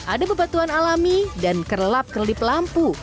ada bebatuan alami dan kerelap kerlip lampu